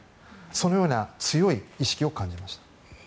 そのような強い意識を感じました。